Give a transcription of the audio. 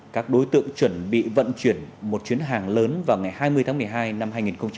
các đối tượng chuẩn bị vận chuyển một chuyến hàng lớn vào ngày hai mươi tháng một mươi hai năm hai nghìn hai mươi ba